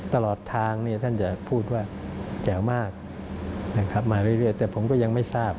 ตลอดทางท่านจะพูดว่าแจ๋วมากนะครับมาเรื่อยแต่ผมก็ยังไม่ทราบ